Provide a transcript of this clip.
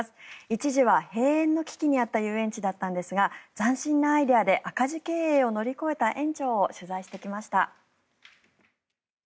一時は閉園の危機にあった遊園地なんですが斬新なアイデアで赤字経営を免れた園長を取材してきました。